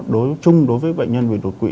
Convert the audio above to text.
đối với bệnh nhân bị đột quỵ